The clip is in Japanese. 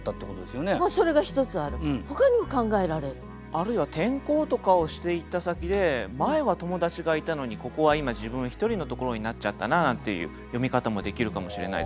あるいは転校とかをしていった先で前は友達がいたのにここは今自分一人のところになっちゃったななんていう読み方もできるかもしれないですね。